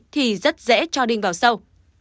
thì rất dễ cho đinh vào sâu